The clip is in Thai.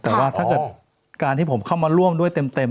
แต่ว่าถ้าเกิดการที่ผมเข้ามาร่วมด้วยเต็ม